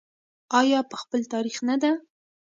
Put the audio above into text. آیا په خپل تاریخ نه ده؟